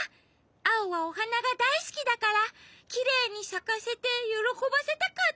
アオはおはながだいすきだからきれいにさかせてよろこばせたかったのに。